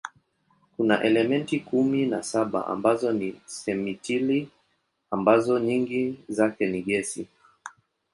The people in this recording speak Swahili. Kuna elementi kumi na saba ambazo ni simetili ambazo nyingi zake ni gesi.